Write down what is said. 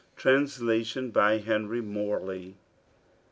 Translation of Henry Morley.